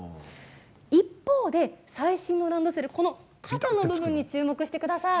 一方で最新のランドセル肩の部分に注目してください。